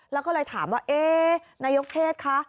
แล้วก็เลยถามว่าเอ๊ะนายกเทศคะ